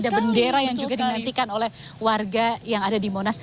ada bendera yang juga dinantikan oleh warga yang ada di monas